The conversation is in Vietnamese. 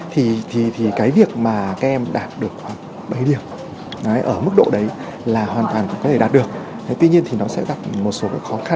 thì cái việc là các em không trực tiếp học ở trên lớp nhưng các em lại vẫn học online và vẫn học trắc trí theo khoa